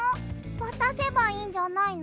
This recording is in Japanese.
わたせばいいんじゃないの？